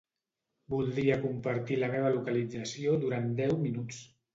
Voldria compartir la meva localització durant deu minuts.